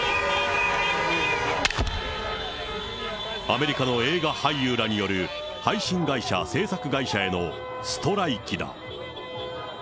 アメリカの映画俳優らによる配信会社、制作会社へのストライキだ。